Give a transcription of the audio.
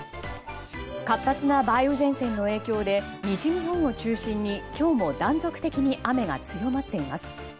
活発な梅雨前線の影響で西日本を中心に今日も断続的に雨が強まっています。